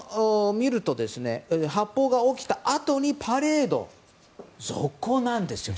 発砲が起きたあとにパレード続行なんですよ。